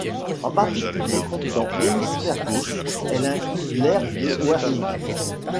En particulier, dans l'hémisphère gauche, elle inclut l'aire de Wernicke.